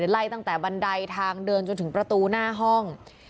ไล่ตั้งแต่บันไดทางเดินจนถึงประตูหน้าห้อง